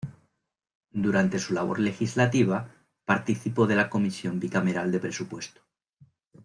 Durante su labor legislativa, participó de la Comisión bicameral de Presupuesto.